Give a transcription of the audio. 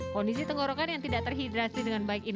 kondisi tenggorokan yang tidak terhidrasi dengan baik ilang